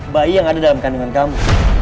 bayi yang ada dalam kandungan kamu